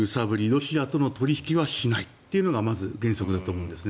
ロシアとの取引はしないというのがまず原則だと思います。